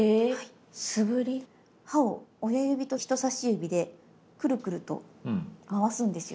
刃を親指と人さし指でクルクルと回すんですよ。